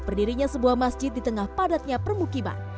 berdirinya sebuah masjid di tengah padatnya permukiman